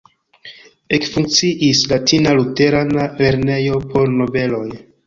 Ekfunkciis latina luterana lernejo por nobeloj.